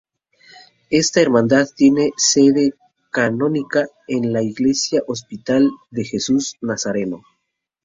Esta hermandad tiene sede canónica en la Iglesia Hospital de Jesús Nazareno.